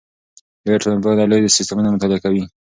لویه ټولنپوهنه لوی سیستمونه مطالعه کوي.